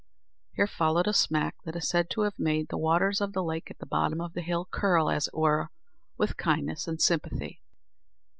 Here followed a smack that is said to have made the waters of the lake at the bottom of the hill curl, as it were, with kindness and sympathy.